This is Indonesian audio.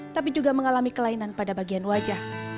tapi juga mengalami kelainan pada bagian wajah